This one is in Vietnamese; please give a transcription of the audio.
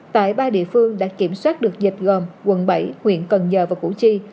tại ba địa phương đã kiểm soát được dịch gồm quận bảy huyện cần giờ và củ chi